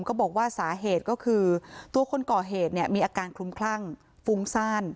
ก็บอกว่าสาเหตุก็คือตัวคนก่อเหตุเนี่ยมีอาการคลุมคลั่งฟุ้งซ่าน